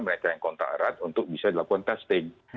mereka yang kontak erat untuk bisa dilakukan testing